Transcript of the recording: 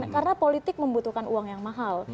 karena politik membutuhkan uang yang mahal